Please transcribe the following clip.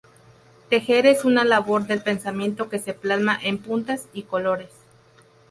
Tejer es una labor del pensamiento que se plasma en puntadas y colo-res.